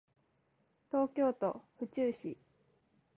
東京都府中市